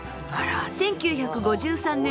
１９５３年